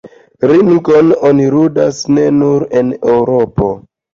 Ringon oni ludas ne nur en Eŭropo.